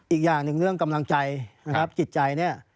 อีกอย่างหนึ่งเรื่องกำลังใจจิตใจนี้